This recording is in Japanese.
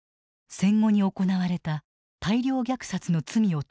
戦後に行われた大量虐殺の罪を問う裁判の際